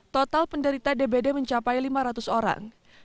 total penderita dbd mencapai lima ratus orang